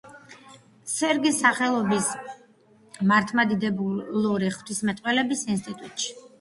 სერგის სახელობის მართლმადიდებლური ღვთისმეტყველების ინსტიტუტში.